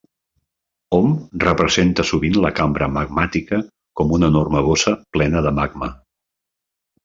Hom representa sovint la cambra magmàtica com una enorme bossa plena de magma.